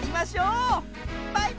バイバーイ！